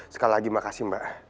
sekali lagi makasih mbak